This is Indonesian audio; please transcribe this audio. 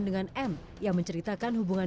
dengan m yang menceritakan hubungan